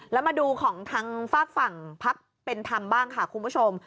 แล้วมาดูของทางฝากฝั่งพักเป็นธรรมบ้างค่ะคุณผู้ชม